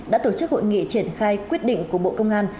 đã tổ chức hội nghị triển khai quyết định của bộ công an